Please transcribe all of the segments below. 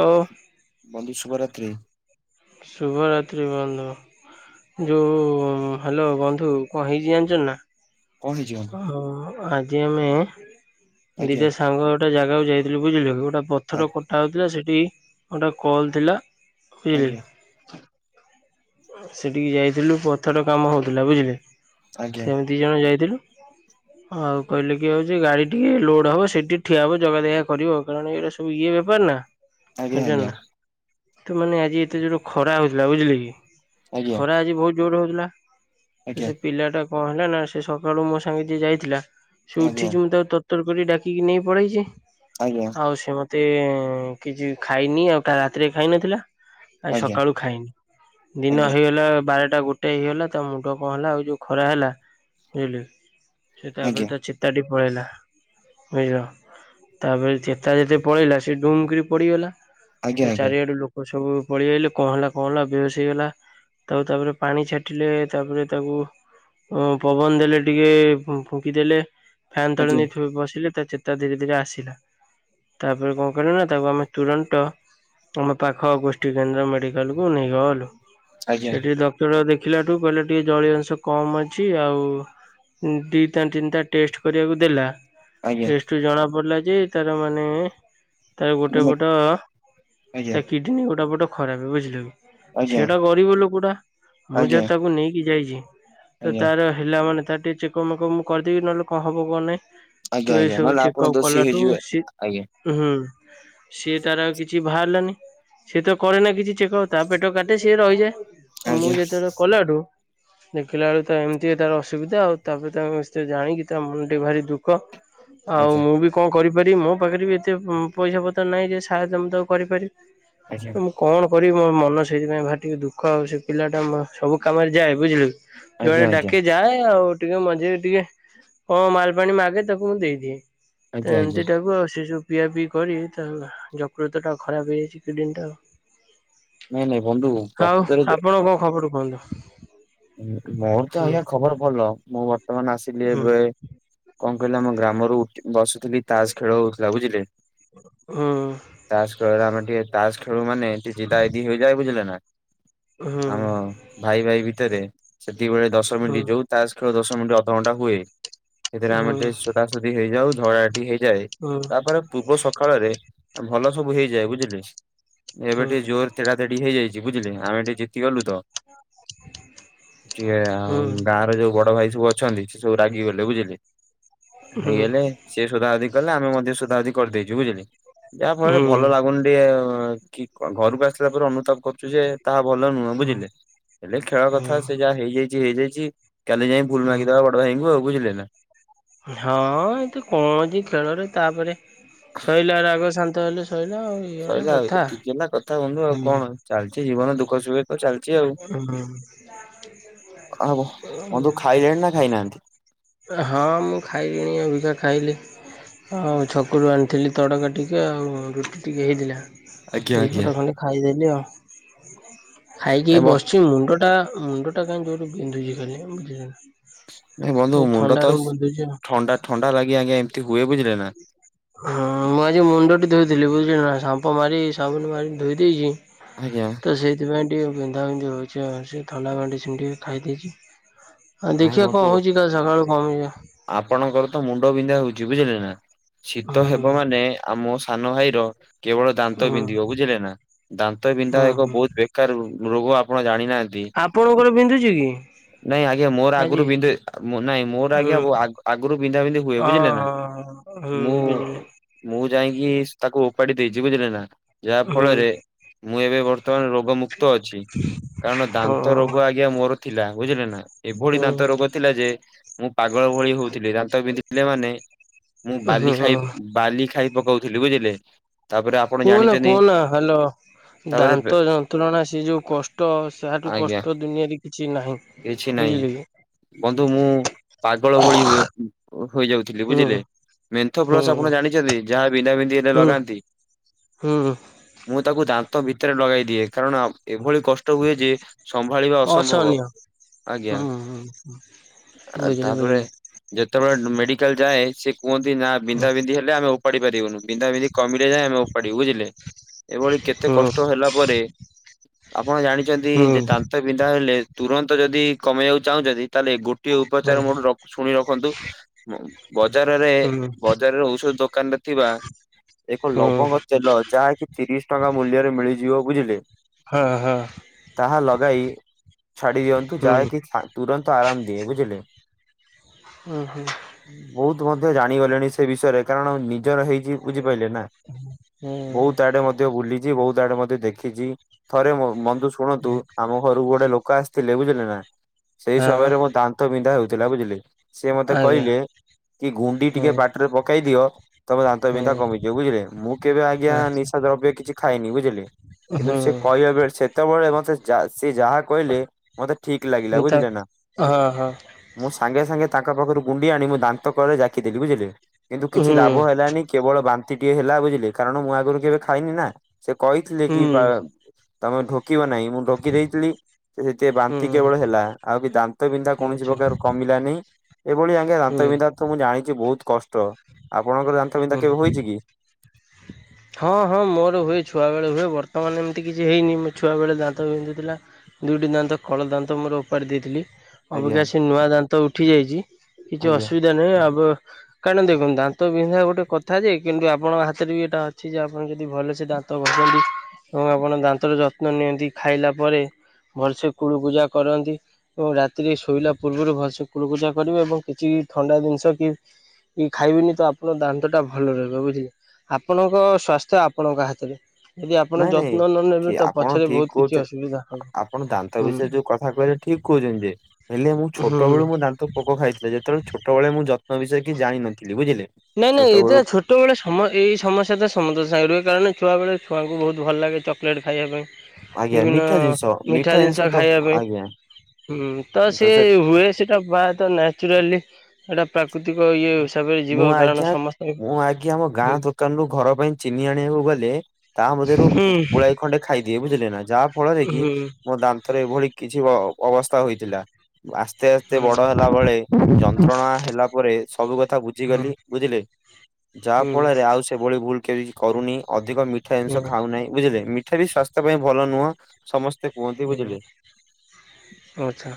ଓ ବନ୍ଧୁ ଶୁଭରାତ୍ରି। ଶୁଭ ରାତ୍ରି ବନ୍ଧୁ। ଯୋଉ ହାଲୋ ବନ୍ଧୁ କଣ ହେଇଚି ଜାଣିଚ ନା? କଣ ହେଇଚି? ଓହୋ ଆଜି ଆମେ ଆଜ୍ଞା ଦିଇଟା ସାଙ୍ଗ ଗୋଟେ ଜାଗାକୁ ଯାଇଥିଲୁ ବୁଝିଲକି ଗୋ ଟେ ଆ ପଥର କଟା ହୋଉଥୁଲା ସେଠି ଗୋଟେ କଲ୍ ଥିଲା ବୁଝିଲ କି? ଆଜ୍ଞା ସେଠିକି ଯାଇଥିଲୁ ପଥର କାମ ହୋଉଥୁଲା ବୁଝିଲେ ଆଜ୍ଞା ସେମି ଦିଇ ଜଣ ଯାଇଥିଲୁ ଆଉ କହିଲେ କି ଆଉ ଯେ ଗାଡି ଟିକେ ଲୋଡ ହବ ସେଇଠି ଟିକେ ଠିଆହବ ଜଗା ଦେଖା କରିବ କାରଣ ଏଇଟା ସେ ଯୋଉ ଇଏ ବେପାର ନା? ଆଜ୍ଞା ବୁଝିଲୁ ନା ତାମାନେ ଆଜି ଏତେ ଯୋରେ ଖରା ହୋଉଥୁଲା ବୁଝିଲେ କି? ଆଜ୍ଞା ଖରା ଆଜି ବୋହୁତ ଜୋରରେ ହୋଉଥିଲା ତ ଆଜ୍ଞା ସେଇ ପିଲାଟା କଣ ହେଲା ନା ସେ ସକାଳୁ ମୋ ସାଙ୍ଗେ ଯିଏ ଯାଇଥିଲା ସେ ଉଠିଚି ମୁଁ ତାକୁ ତର୍ ତର କରି ଡାକିକି ନେଇ ପଲେଇଚି ଆଜ୍ଞା ଆଜ୍ଞା ଆଉ ସେ ମତ୍ ଏତେ କିଛି ଖାଇନି ଆଉ କାଲି ରାତିରେ ଖାଇନଥିଲା ଆଜି ଆଜ୍ଞା ସକାଳୁ ଖାଇନି। ଏଇନ ଆଜ୍ଞା ହେଇଗଲା ବାରଟା ଗୋଟେ ହେଇଗଲା ତା ମୁଣ୍ଡ କଣ ହେଲା ଆଉ ଯୋଉ ଖରା ହେଲା ବୁଝିଲୁ? ସେ ତାପରେ ତା ଚେତାଟି ପଳେଇଲା। ବୁଝିଲ ତାପରେ ଚେତା ଯଦି ପଳେଇଲା ସେ ଡୁମ୍ କିରି ପଡିଗଲା। ଆଜ୍ଞା ତ ଆଜ୍ଞା ଚାରିଆଡୁ ଲୋକ ସବୁ ପଳିଆଇଲେ କଣ ହେଲା କଣ ହେଲା ବେହୋସ ହେଇଗଲା ତାପରେ ତାପରେ ପାଣି ଛାଟିଲେ ତାପରେ ତାକୁ ଓ ପବନ ଦେଲେ ଟିକେ ଫୁ-ଫୁଙ୍କିଦେଲେ ଫ୍ୟାନ୍ ତଳେ ନେଇ ଥିବ ବସିଲେ ତା ଚେ ତା ଧୀରେ ଧୀରେ ଆସିଲା ତାପରେ କଣ କଲୁନା ତାକୁ ଆମେ ତୁରନ୍ତ ଆମ ପାଖ ଗୋଷ୍ଠୀ କେନ୍ଦ୍ର ମେଡିକାଲକୁୁ ନେଇଗଲୁ ଆଜ୍ଞା ଆଜ୍ଞା ଆଜ୍ଞା ସେଠି ଡ କ୍ତର ଦେଖିଲାଠୁ କହିଲେ ଟିକେ ଜଳୀଅଂଶ କମ୍ ଅଛି ଆଉ ଉଁ ଦିଇଟା ତିନଟା ଟେଷ୍ଟ୍ କରିବାକୁ ଦେଲା ଆଜ୍ଞା ଆଜ୍ଞା ଟେଷ୍ଟରୁ ଜଣା ପଡିଲା ଯେ ତାର ମାନେ ତାର ଗୋଟେ ମାନେ ପଟ ଆଜ୍ଞା ତା କିଡିନୀ ଗୋଟେ ପଟ ଖରାପ ବୁଝିଲ କି? ଆଜ୍ଞା ସେଟା ଗରିବ ଲୋକଟା ମୁଁ ଯଦି ଆଜ୍ଞା ତାକୁ ନେଇକି ଯାଇଚି ତ ଆଜ୍ଞା ଆଜ୍ଞା ତାର ହେଲା ମାନେ ତାର ଟିକେ ଚେକମ୍ ମେକମ୍ ମୁଁ କରିଦେବି ନହେଲେ କଣ ହବ କଣ ନାଇଁ ତ ଆଜ୍ଞା ଏସବୁ ନହେଲେ ଆପଣ ଚେକଅପ୍ ଦୋଷୀ କଲାଠୁ ହେଇଯିବେ ସି ଆଜ୍ଞା ଉଁହୁଁ ସିଏ ତାର କିଛି ଭାହାରଲାନି ସେ ତ କରେନା କିଛି ଚେକପ୍ ତା ପେଟ କା ସିଏ ରହିଯାଏ ଆଉ ମୁଁ ଆଜ୍ଞା ଯେତେବେଳେ କଲାଠୁ ଦେଖିଲା ବେଳୁକୁ ତା ଏମତି ତାର ଅସୁବିଧା ଆଉ ତାପରେ ତା ସେ ଜାଣିକି ତା ମନଟି ଭାରି ଦୁଃଖ ଆଉ ଆଜ୍ଞା ମୁଁ ବି କଣ କରିପାରିବି ମୋ ପାଖରେ ବି ଏତେ ପଇସା ପତ୍ର ନାହିଁ ଯେ ସାହାଯ୍ୟ ମୁଁ ତ କରିପାରିବି, ଆଜ୍ଞା ତ ମୁଁ କଣ କରିବି ମୋ ମନ ସେଇଥିପାଇଁ ଭାରି ଦୁଃଖ ଆଉ ସେ ପିଲାଟା ସବୁ କାମରେ ଯାଏ ବୁଝିଲ କି? ଆଜ୍ଞା ଯୁଆଡେ ଆଜ୍ଞା ଡାକେ ଯାଏ ଆଉ ଟିକେ ମଝିରେ ଟିକେ କଣ ମାଲ୍ ପାଣି ମାଗେ ତାକୁ ମୁଁ ଦେଇଦିଏ। ତ ଆଜ୍ଞା ଆଜ୍ଞା ଏମିତି ଟାକୁ ଆଉ ସେ ସବୁ ପିଆ ପିଇ କରି ତା ଯକୃତ ଟା ଖରାପ ହେଇଯାଇଛି, କିଡିନୀ ଟାଉ। ନାଇଁ ନାଇଁ ବନ୍ଧୁ ଆଉ ପ୍ରକୃତରେ ଯ- ଆପଣ କଣ ଖବର କୁହନ୍ତୁ? ମୋର ତ ହୁଁ ଆଜ୍ଞା ଖବର ଭଲ। ମୁଁ ବର୍ତ୍ତମାନ ଆସିଲି ହୁଁ ଏବେ କଣ କହିଲେ ଆମ ଗ୍ରାମର ଉ ବସୁଥିଲି ତାସ୍ ଖେଳ ହଉଥିଲା ବୁଝିଲେ ହୁଁ ତାସ୍ ଖେଳ ରେ ଆମେ ଟିକେ ତାସ୍ ଖେଳୁ ମାନେ ଜିଦା ଜିଦି ହେଇଯାଏ ବୁଝିଲେ ନା ହୁଁ ଆମ ଭାଇ ଭାଇ ଭି ତେରେ ସେତିକିବେଳେ ଦଶ ହୁଁ ମିନିଟ୍ ଯୋଉ ତାସ୍ ଖେଳ ଦଶ ମିନିଟ୍ ଅଧଘଣ୍ଟା ହୁଏ, ସେଥିରେ ଆମେ ହୁଁ ଟେ ସୋ ଶୋଦା ସୁଦି ହେଇଯାଉ, ଝଗଡ଼ା ଝାଟି ହେଇଯାଏ ହୁଁ ତାପରେ ପୂର୍ବ ସକାଳରେ ଭଲ ସବୁ ହେଇଯାଏ ବୁଝିଲେ କି ହୁଁ ହୁଁ ଏବେ ହୁଁ ଟିକେ ଜୋରେ ତେଢା ତେଢି ହେଇଯାଇଛି ବୁଝିଲେ ଆମେ ଟିକେ ଜିତି ଗଲୁ ତ ଯିଏ ହୁଁ ଆଉ ଗାଁ ର ଯୋଉ ବଡ ଭାଇ ସବୁ ଅଛନ୍ତି, ସେ ସବୁ ରାଗିଗଲେ ବୁଝିଲେ? ହୁଁ ହେଇଗଲେ ସେ ସୋଦା ସୋଦି କଲେ ଆମେ ମଧ୍ୟ ସୋଦା ସୋଦି କରିଦେଇଛୁ ବୁଝିଲେ ଯାହା ଫଳରେ ଭଲ ଲାଗୁନି ଟିକେ କି ଘରକୁ ଆସିଲା ପରେ ଅନୁତାପ କରୁଛୁ ଯେ ତାହା ଭଲ ନୁହେଁ ବୁଝିଲେ ହେଲେ ଖେଳ ହୁଁ ଯା ହେଇଯାଇଛି ହେଇଯାଇଛି। କାଲି ଯାଇ ଭୁଲ ହୁଁ ମାଗିଦେବା ବଡ ଭାଇଙ୍କୁ ଆଉ ବୁଝିଲେ ନା ହଁ ଏତେ କଣ ଅଛି ଖେଳରେ ତାପରେ ସଇଲା ରାଗ ଶାନ୍ତ ହେଲେ ସଇଲା ଆଉ ଇଏ ଗୋଟେ ସଇଲା ଆଉ କଥା। ଏତିକି ହେଲା କଥା ବଂଧୁ ଆଉ କଣ ଚାଲିଛି ଜୀବନ ଦୁଃଖ ସୁୁଖେ ତ ଚାଲି ଆଉ ବନ୍ଧୁ ଖାଇଲେଣି ନା [unintelligible] ଖାଇନାହାନ୍ତି। ହଁ ମୁଁ ଖାଇଲିଣି ଏଭିତରେ ଖାଇଲି। ଆଉ ଛକରୁ ଆଣିଥିଲି ତଡ଼କା ଟିକେ ଆଉ ରୁଟି ଟିକେ ହେଇଥିଲା ଆଜ୍ଞା ଆଜ୍ଞା ଦିପଟ ଖଣ୍ଡେ ଖାଇଦେଲି ଆଉ। ଖାଇକି ଏ ବସିଛି ମୁଣ୍ଡ ଟା ମୁଣ୍ଡ ଟା କାଇଁ ଜୋରେ ବିନ୍ଧୁଛି ଖାଲି ମୁଁ [unintelligible] ନାଇଁ ବନ୍ଧୁ ମୁଣ୍ଡ ତ ଆଉ। ଥଣ୍ଡା ଥଣ୍ଡା ଲାଗି ଆଜ୍ଞା ଏମିତି ହୁଏ ବୁଝିଲେ ନା। ହଁ ମୁଁ ଆଜି ମୁଣ୍ଡ ଟି ଧୋଇଦେଲି ବୁଝିଲେ ନା ସାମ୍ପ ମାରି ସାବୁନୁ ମାରି ଧୋଇ ଦେଇଛି। ଆଜ୍ଞା। ତ ସେଇଥିପାଇଁ ଟିକେ ବିନ୍ଧା ବିିନ୍ଧି ହୋଉଛି ଆଉ ସେ ଥଣ୍ଡା ମେଡିସିନି ଟିକେ ଖାଇ ଦେଇଛି। ଆଉ ନାଇଁ ଦେଖିବା ବନ୍ଧୁ କଣ ହଉଛି କାଲି ସକାଳୁ କମିଯିଵ। ଆପଣଙ୍କର ତ ମୁଣ୍ଡ ବିନ୍ଧା ହଉଛି ବୁଝିଲେ ନା ଶୀତ ହୁଁ। ହେବ ମାନେ ଆମ ସାନ ଭାଇ ର କେବଳ ଦାନ୍ତ ହଁ ବିନ୍ଧିବ ବୁଝିଲେ ନା ଦାନ୍ତ ବିନ୍ଧା ହଁ ଏକ ହଁ ବହୁତୁ ବ୍ୟ ତାର ରୋଗ ଆପଣ ଜାଣିନାହାନ୍ତି। ଆପଣଙ୍କର ବିନ୍ଧୁଛି କି? ନାଇଁ ଆଜ୍ଞା ମୋର ଆଜି? ଆଗରୁ ବିନ୍ଧେ, ନାଇଁ ମୋର ହୁଁ ଆଜ୍ଞା ଆଗରୁ ବିନ୍ଧା ବିନ୍ଧି ହୁଏ ହଁ ବୁଝିଲେ ନା। ହଁ ହୁଁ ମୁଁ ହୁଁ। [unintelligible] ମୁଁ ଯାଇକି ତାକୁ ଓପାଡି ଦେଇଛି ବୁଝିଲେ ନା ଯାହା ହୁଁ ଫଳରେ ମୁଁ ଏବେ ବତ୍ତ ତମର ରୋଗ ମୁକ୍ତ ଅଛି, କାରଣ ଦାନ୍ତ ହଁ ରୋଗ ଆଜ୍ଞା ମୋର ଥିଲା ବୁଝିଲେ ନା, ଏଭଳି ହୁଁ ଦନ୍ତ ରୋଗ ଥିଲା ଯେ ମୁଁ ପାଗଳ ଭଳି ହଉଥିଲି, ଦାନ୍ତ ପିନ୍ଧିଥିଲେ ମାନେ ମୁଁ ବାଲି ହୁଁ ଖାଇ ବାଲି ଖାଇ ପକୋଉଥିଲି ବୁଝିଲେ। ତାପରେ ଆପଣ କୁହନା ଜାଣିଛନ୍ତି କୁହନା ହ୍ୟାଲୋ। ତାପରେ ଦାନ୍ତ ଯନ୍ତ୍ରଣା ସେ ଯୋଉ କଷ୍ଟ ସାଠୁ ଆଜ୍ଞା କଷ୍ଟ ଦୁନିଆରେ। କିଛି ନାହିଁ କିଛି ନାହିଁ ବୁଝିଲେ କି। ବନ୍ଧୁ ମୁଁ ପାଗଳ ଭଳି ହୁଏ ହୋଇଯା ଥିଲି ହୁଁ ବୁଝିଲେ ମେନ୍ଥ ପ୍ଲସ ହୁଁ ଆପଣ ଜାଣିଛନ୍ତି ଯାହା ବିନ୍ଧା ବିନ୍ଧି ହେଲେ ଲଗାନ୍ତି। ହୁଁ ହୁଁ। ମୁଁ ତାକୁ ଦାନ୍ତ ଭିତରେ ଲଗେଇ ଦିଏ କାରଣ ଏଭଳି କଷ୍ଟ ହୁଏ ଯେ ସମ୍ଭାଳିବା ଅସମ୍ଭବ। ଅସହନୀୟ ଆଜ୍ଞା ହୁଁ ହୁଁ ବୁଝିଲି ତାପରେ। ବୁଝିଲି ଯେତେବେଳେ ମେଡିକାଲ ଯାଏ ସେ କୁହନ୍ତି ନା ବିନ୍ଧା ବିନ୍ଧି ହେଲେ ଆମେ ଓପାଡି ପାରିବୁନି ବିନ୍ଧା ବିନ୍ଧି। କମିଲେ ଯାଏ ଆମେ ଓପାଡିବୁ ବୁଝିଲେ ଏଭଳି କେତେ ହୁଁ କଷ୍ଟ ହେଲା ପରେ। ଆପଣ ଜାଣିଛନ୍ତି ଯେ ହୁଁ ଦାନ୍ତ ବିନ୍ଧା ହେଲେ ତୁରନ୍ତ ଯଦି କମେଇବାକୁ ଚାହୁଁଛନ୍ତି ତାହେଲେ ଗୋ। ଗୋଟିଏ ହୁଁ ଉପଚାର ମୋ ରଖ ଶୁଣି ରଖନ୍ତୁ। ବଜାରରେ ହୁଁ ବଜାରରେ ଔଷଧ ଦୋକାନ ରେ ଥିବା ଏକ ହୁଁ ଲବଙ୍ଗ। ତେଲ ଯାହାକି ତିରିଶି ଟଙ୍କା ମୂଲ୍ୟରେ ମିଳିଯିବ ବୁଝିଲେ। ହଁ ହଁ ତାହା ଲଗାଇ। ଛାଡି ଦିଅନ୍ତୁ ହୁଁ ଯାହାକି ତୁରନ୍ତ ଆରାମ ଦିଏ ବୁଝିଲେ। ହୁଁ ହୁଁ। ବହୁତୁ ମଧ୍ୟ ଜାଣିଗଲେଣି ସେ ବିଷୟରେ କାରଣ ନିଜର ହେଇ। ବୁଝିପାଇଲେନା ବହୁତ ଆଡେ ମଧ୍ୟ ବୁଲି। ଯିଏ ବହୁତୁ ଆଡେ ମତେ ଦେଖିଛି ଥରେ ମୋ ବନ୍ଧୁ ଶୁଣନ୍ତୁ ଆମ ଘରକୁ ଗୋଟେ ଲୋକ। ଲୋକ ଆସିଥିଲେ ବୁଝିଲେ ନା ସେଇ ହଁ ସମୟରେ ମୋ ଦାନ୍ତ ବିନ୍ଧା ହଉଥିଲା ବୁଝିଲେ। ସେ ମତେ ଆଜ୍ଞା କହିଲେ କି ଗୁଣ୍ଡି ହୁଁ ଟିକେ ପାଟିରେ ପକେଇ ଦିଅ। ତମେ ଦାନ୍ତ ହୁଁ ବିନ୍ଧା କମିଯିବ ବୁଝିଲେ ମୁଁ କେବେ ଆଜ୍ଞା ନିଶା ହୁଁ ଦ୍ରବ୍ୟ କିଛି ଖାଇନି ବୁଝିଲେ। କିନ୍ତୁ ସେ କହିବା ବେଳେ ସେତବେଳେ ମତେ ଚା ସେ ଯାହା କହିଲେ ମତେ ଠିକ୍ ଲାଗିଲା ମୁଁ ତା ବୁଝିଲେ ନା। ହଁ ହଁ ମୁଁ ସାଙ୍ଗେ ସାଙ୍ଗେ ତାଙ୍କ ପାଖରୁ ଗୁଣ୍ଡି ଆଣି ମୁଁ ଦାନ୍ତ କଳେ ଜାକି ଦେଲି ବୁଝିଲେ। କିନ୍ତୁ ହୁଁ କିଛି ଲାଭ ହେଲାନି କେବଳ ବାନ୍ତି ଟିକେ ହେଲା ବୁଝିଲେ କାରଣ ମୁଁ ଆଗରୁ କେବେ ଖାଇନି ନା। ସେ କହିଥିଲେ ହୁଁ କି ବା ତମେ ଢୋକିବ ନାହିଁ ମୁଁ ଢୋକି ଦେଇଥିଲି। ସେଥି ହୁଁ ବାନ୍ତି କେବଳ ହେଲା ଆଉ ବି ଦାନ୍ତ ବିନ୍ଧା କୌଣସି ହଉଛ ପ୍ରକାର କମିଲାନି। ଏଭଳି ଆଜ୍ଞା ହୁଁ ଦାନ୍ତବିନ୍ଧା ତ ମୁଁ ଜାଣିଛି ବହୁତ କଷ୍ଟ ଆପଣଙ୍କର ଦାନ୍ତବିନ୍ଧା ହୁଁ। କେବେ ହୋଇଛି କି। [unintelligible] ହଁ ହଁ ମୋର ହୁଏ ଛୁଆବେଳେ ହୁଏ ବର୍ତ୍ତମାନ ଏମିତି କିଛି ହେଇନି ମୋ ଛୁଆବେଳେ ଦାନ୍ତ ବିିନ୍ଧୁଥିଲା। ଦୁଇଟି ଦାନ୍ତ କଳ ଦାନ୍ତ ମୋର ଉପାରି ଦେଇଥିଲି। ଆଜ୍ଞା ଅବିକା ସେ ନୂଆ ଦାନ୍ତ ଉଠି ଯାଇଛି କିଛି ଆଜ୍ଞା ଅସୁବିଧା। ନେ ଆବ କାଇଁ ନା ଦେଖନ୍ତୁ ଦାନ୍ତ ବିନ୍ଧା ଗୋଟେ କଥା ଯେ କିନ୍ତୁ ଆପଣଙ୍କ ହାତ୍ ଫିରିବି ଏଟା ଅଛି ଯେ ଆପଣ ଯଦି ଭଲସେ ଦାନ୍ତ ଘସନ୍ତି। ତମେ ଆପଣ ଦାନ୍ତର ଯତ୍ନ ନିଅନ୍ତି ଖାଇଲା ପରେ ଭଲସେ କୁଳୁ କୁଜା କରନ୍ତି। ଏବଂ ରାତିରେ ଶୋଇଲା ପୂର୍ବରୁ ଭଲସେ କୁଳକୁଜା କରିବେ ଏବଂ କିଛି ଥଣ୍ଡା ଜିନିଷ କି କି ଖାଇବେନି ତ ଆପଣ ଦାନ୍ତ ଟା ଭଲ ରହିବ ବୁଝିଲେ। ଆପଣଙ୍କ ସ୍ଵାସ୍ଥ୍ୟ ଆପଣଙ୍କ ହାତରେ। ଯଦି ଆପଣ ନାଇଁ ନାଇଁ ଯତ୍ନ ନ ଠି ନେବେ ତ ଆପଣ ପଛରେ ଠିକ ବହୁତ୍ କିଛି କହୁଛନ୍ତି ଅସୁବିଧା ହବ ହୁଁ। ଠିକ୍ କହୁଛନ୍ତି ଯେ ହେଲେ ମୁଁ ହୁଁ ଛୋଟବେଳୁ ମୁଁ ଦାନ୍ତ ପୋକ ଖାଇଥିଲେ ଯେତେବେଳେ ଛୋଟବେଳେ ମୁଁ ଯତ୍ ବିଷୟ କି ଜାଣିିନଥିଲି ବୁଝିଲେ ଛୋଟବେଳୁ। ଛୋଟବେଳେ ସମ ଏହି ସମସ୍ୟା ଟା ସମତକ ସାଙ୍ଗେ ରୁହେ କାରଣ ଛୁଆବେଳେ ଛୁଆଙ୍କୁ ବହୁତ୍ ଭଲ ଲାଗେ ଚକଲେଟ ଖାଇବା ପାଇଁ। ଆଜ୍ଞା ବିଭିନ୍ନ ମିଠା ଜିନିଷ ମିଠା ଜିନିଷ ତ ଖାଇବା ପାଇଁ। ଆଜ୍ଞା ହୁଁ ତ ସିଏ ହୁଏ ସେଟା ବା ତ ନ୍ୟାଚୁରାଲି। ହେଟା ପ୍ରାକୃତିକ ଇଏ। ହିସାବରେ ଯିବ ମୁଁ କାରଣ ଆଜ୍ଞା ସମସ୍ତେ ହୁଁ ମୁଁ ଆଜ୍ଞା ମୋ ଗାଁ ହୁଁ ଦୋକାନରୁ ଘର ପାଇଁ ଚିନି ଆଣିବାକୁ ଗଲେ ତା ମଧ୍ୟରୁ ହୁଁ। ପୁଳାଏ ଖଣ୍ଡେ ଖାଇଦିଏ ବୁଝିଲେ ନା ଯାହା ଫଳରେ କି ହୁଁ ମୋ ଦାନ୍ତରେ ଏଭଳି କିଛି ଅବସ୍ଥା ହୋଇଥିଲା। ଆସ୍ତେ ଆସ୍ତେ ହଁ ବଡ ହେଲା ବଳେ ଯନ୍ତ୍ରଣା ହେଲା ପରେ ସବୁ କଥା ହୁଁ ବୁଝିଗଲି ବୁଝିଲେ ଯାହା ଫଳରେ ହୁଁ ଆଉ ସେଭଳି ଭୁଲ କେବେକିଚି କରୁନି। ଅଧିକ ମିଠା ଜିନିଷ ଖାଉନାଇଁ ବୁଝିଲେ ମିଠା ବି ସ୍ୱାସ୍ଥ୍ୟ ପାଇଁ ଭଲ ନୁହଁ ସମସ୍ ସ୍ତେ କୁହନ୍ତି ହୁଁ ବୁଝିଲେ ଆଚ୍ଛା।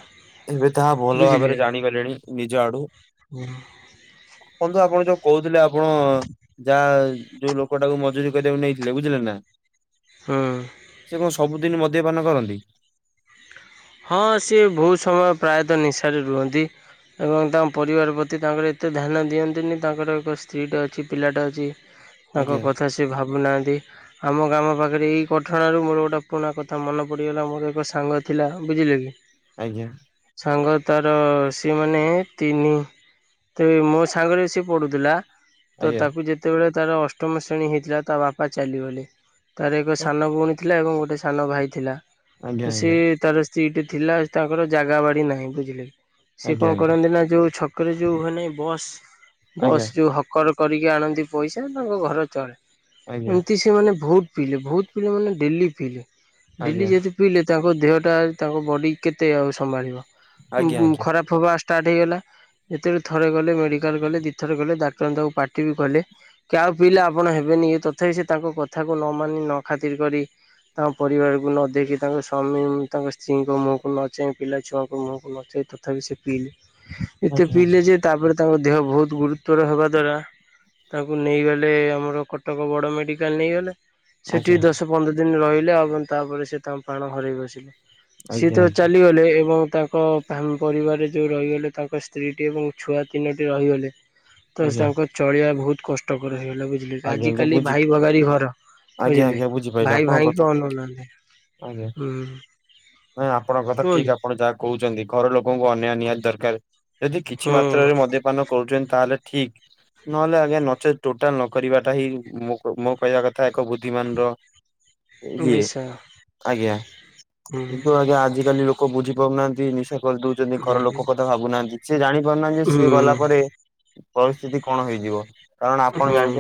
ଏବେ ତାହା ଭଲ ବୁଝିଲେ ଭାବରେ ଜାଣିଗଲେଣି। ନିଜଆଡୁ। ହୁଁ। ବନ୍ଧୁ ଆପଣ ଯୋଉ କହୁଥିଲେ ଆପଣ ଯାହା ଯୋଉ ଲୋକଟାକୁ ମଜୁୁରୀ କରିବାକୁ ନେଇଥିଲେ ବୁଝିଲେ ନା? ସେ କଣ ସବୁଦିନ୍‌ ମଦ୍ୟପାନ କରନ୍ତି? ହଁ ସିଏ ବହୁତ ସମୟ ପ୍ରାୟତଃ ନିଶାରେ ରୁହନ୍ତି। ଏବଂ ତାଙ୍କ ପରିବାର ପ୍ରତି ତାଙ୍କର ଏତେ ଧ୍ୟାନ ଦିଅନ୍ତିନି ତାଙ୍କର ଏକ ସ୍ତ୍ରୀଟା ଅଛି ପିଲାଟା ଅଛି। ତାଙ୍କ ଆଜ୍ଞା କଥା ସେ ଭାବୁନାହାଁନ୍ତି। ଆମ ଗ୍ରାମ ପାଖରେ ଏଇ ଘଟଣା ରୁ ମୋର ଗୋଟେ ପୁରୁଣା କଥା ମନେ ପଡିଗଲା ମୋର ଏକ ସାଙ୍ଗ ଥିଲା। ବୁଝିଲେ କି? ଆଜ୍ଞା। ସାଙ୍ଗ ତାର ସିଏ ମାନେ ତିନି ତେବେ ମୋ ସାଙ୍ଗରେ ସେ ପଢୁଥିଲା। ତ ଆଜ୍ଞା। ତାକୁ ଯେତେବେଳେ ତାର ଅଷ୍ଟମ ଶ୍ରେଣୀ ହେଇଥିଲା ତା ବାପା ଚାଲିଗଲେ ତାର ଏକ ସାନ ଭଉଣୀ ଥିଲା ଏବଂ ଗୋଟେ ସାନ ଭାଇ ଥିଲା ଆଜ୍ଞା ତ ଆଜ୍ଞା ସିଏ ତାର ସେଇଟି ଥିଲା ତାଙ୍କର ଜାଗା ବାଡି ନାହିଁ ବୁଝିଲେ ସେ ଆଜ୍ଞା କଣ କରନ୍ତି ନା ଯୋଉ ଛକ୍ ଛକରେ ଯୋଉ ମାନେ ବସ୍ ବସ୍ ଆଜ୍ଞା ଯୋଉ ହକର କରିକି ଆଣନ୍ତି ପଇସା ତାଙ୍କ ଘର ଚଳେ ଆଜ୍ଞା ଏମ୍ ତି ସେମାନେ ବହୁତ୍ ପିଇଲେ ବହୁତ ପିଇଲେ ମାନେ ଡେଲି ପିଇଲେ ଡେଲି ଆଜ୍ଞା ଯେହେତୁ ପିଇଲେ ତାଙ୍କ ଦେହଟା ତାଙ୍କ ବଡ଼ି କେତେ ଆଉ ସମ୍ଭାଳିବ ଆଜ୍ଞା ଆଜ୍ଞା। ଖରାପ ହେବା ଷ୍ଟାର୍ଟ ହେଇଗଲା। ଯେତେବେଳେ ଥରେ ଗଲେ ମେଡିକାଲ ଗଲେ ଦି ଥର ଗଲେ ଡାକ୍ତର ମାନେ ତାକୁ ପାଟି ବି କଲେ। କି ଆଉ ପିଇଲେ ଆପଣ ହେବେନି ତଥାପି ସେ ତାଙ୍କ କଥାକୁ ନ ମାନି ନ ଖାତିର କରି ତାଙ୍କ ପରିବାରକୁ ନ ଦେେଖି ତାଙ୍କ ସ୍ୱାମୀ ତାଙ୍କ ସ ସ୍ତ୍ରୀଙ୍କ ମୁହଁକୁ ନଚାହିଁ ପିଲା ଛୁଆଙ୍କ ମୁହଁକୁ ନଚାହିଁ ତଥାପି ସେ ପିଇଲେ ଏତେ ପିଇଲେ ଯେ ତାପରେ ତାଙ୍କ ଦେହ ବହୁତ ଗୁରୁତ୍ୱର ହେବା ଦ୍ଵାରା ତାଙ୍କୁ ନେଇଗଲେ ଆମର କଟକ ବଡ ମେଡିକାଲ ନେଇଗଲେ। ସେଠି ଆଜ୍ଞା ଆଜ୍ଞା ଦଶ ପନ୍ଦର ଦିନ ରହିଲେ ଏବଂ ତାପରେ ସେ ତାଙ୍କ ପାଣ ହରାଇ ବସିଲେ। ସିଏ ତ ଆଜ୍ଞା ଚାଲିଗଲେ ଏବଂ ତାଙ୍କ ତାଙ୍କ ପରିବାରରେ ଯଉ ରହିଗଲେ ତାଙ୍କ ସ୍ତ୍ରୀଟି ଏବଂ ଛୁଆ ତିନୋଟି ରହିଗଲେ ତସ୍ ଆଜ୍ଞା ଆଜ୍ଞା ତାଙ୍କ ଚଳିବା ବହୁତ କଷ୍ଟକର ହେଇଗଲା ବୁଝ ବ ଆଜି ଆଜ୍ଞା କାଲି ବୁଝି ଭାଇ ଭଗାରୀ ଘର ଆଜ୍ଞା ବୁଝିଲେ ଆଜ୍ଞା ବୁଝିପାରିଲି ଭାଇ ଆପଣଙ୍କ ଭାଇ କଥା। ଙ୍କୁ ଅନଉ ନାହାଁନ୍ତି। ହୁଁ। ହଁ ଆପଣଙ୍କ କଥା କୁହନ୍ତୁ ଠିକ ଆପଣ ଯାହା କହୁଛନ୍ତି ଘର ଲୋକଙ୍କୁ ଅନ୍ୟାୟ ନିହାତି ଦରକାର। ଯଦି କିଛି ମାତ୍ରାରେ ହୁଁ ମଦ୍ୟପାନ କରୁଛନ୍ତି ତାହେଲେ ଠିକ ନହେଲେ ଆଜ୍ଞା ନଚେତ ଟୋଟାଲ ନପି କରିବାଟା ହିଁ ମୋ କହିବା କଥା ଏକ ବୁଦ୍ଧିମାନ ର ଜିଏ ବିଷୟ ଆଜ୍ଞା ହୁଁ କିନ୍ତୁ ଆଜ୍ଞା ଆଜିକାଲି ଲୋ ଲୋକ ବୁଝି ପାରୁନାହାନ୍ତି ନିଶା କରିଦଉଛନ୍ତି ଘର ହୁଁ ଲୋକ କଥା ଭାବୁନାହାନ୍ତି ସ ଜାଣିପାରୁନାହାନ୍ତି ଯେ ସିଏ ଗଲା ହୁଁ ପରେ ପରିସ୍ଥିତି କଣ ହେଇଯିବ କାରଣ ଆପଣ ହୁଁ ଜାଣି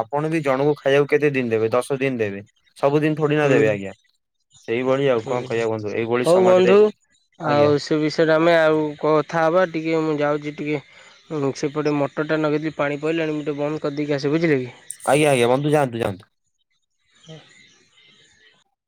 ଆପଣ ବି ଜଣଙ୍କୁ ଖାଇବାକୁ କେତେ ଦିନ ଦେବେ ଦଶ ଦିନ ଦେବେ ସବୁଦିନ ଥଡି ନ ହୁଁ ଦେବେ ଆଜ୍ଞା? ସେଇଭଳି ଆଉ ହୁଁ କଣ କହିବା ବନ୍ଧୁ ଏଇଭଳି ହଉ ବନ୍ଧୁ ସମାଜରେ ଆଜ୍ଞା ଆଉ ସେ ବିଷୟରେ ଆମେ ଆଉ କଥା ହବା ଟିକେ ମୁଁ ଯାଉଚି ଟିକେ। ଗୁପ୍ ସେପଟେ ମଟରଟା ନଗେଇଥିଲି ପାଣି ପଡ଼ିଲାଣି ମୁଁ ଟିକେ ବନ୍ଦ କରିଦେଇକି ଆସେ ବୁଝିଲେ କି। ଆଜ୍ଞା ଆଜ୍ଞା ବନ୍ଧୁ ଯାନ୍ତୁ ଯାନ୍ତୁ। ହୁଁ।